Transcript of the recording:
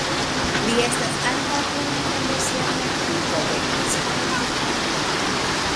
Li estas ankaŭ konata por sia praktiko de hispana gitaro.